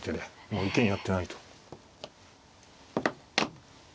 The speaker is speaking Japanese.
もう受けになってないと。